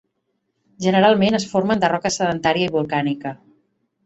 Generalment es formen de roca sedentària i volcànica.